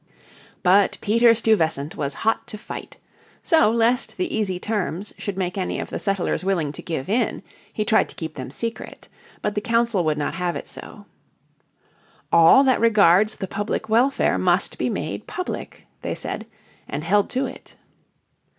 But Peter Stuyvesant was hot to fight. So lest the easy terms should make any of the settlers willing to give in he tried to keep them secret. But the Council would not have it so. "All that regards the public welfare must be made public," they said, and held to it.